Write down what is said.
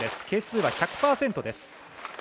係数は１００％です。